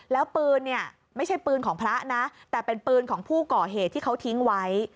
แล้วปืนเนี่ยไม่ใช่ปืนของพระนะแต่เป็นปืนของผู้ก่อเหตุที่เขาทิ้งไว้